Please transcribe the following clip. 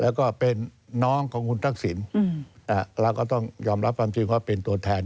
แล้วก็เป็นน้องของคุณทักษิณเราก็ต้องยอมรับความจริงว่าเป็นตัวแทน